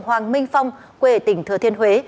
hoàng minh phong quê tỉnh thừa thiên huế